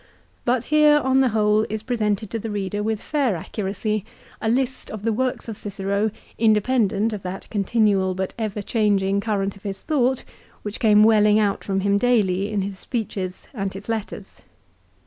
But here, on the whole, is presented to the reader with fair accuracy a list of the works of Cicero independent of that continual but ever changing current of his thought which came welling out from him daily in his speeches and his letters.